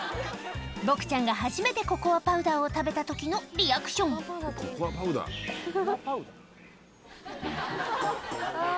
ボクちゃんが初めてココアパウダーを食べた時のリアクションココアパウダー？